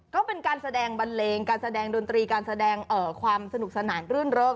ก็เป็นการแสดงบันเลงการแสดงดนตรีการแสดงความสนุกสนานรื่นเริก